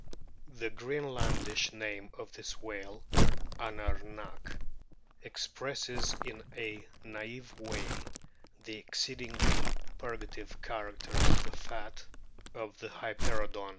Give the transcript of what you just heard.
The Greenlandish name of this whale, "Anarnak," expresses in a naive way the exceedingly purga tive character of the fat of the Hyperoodon.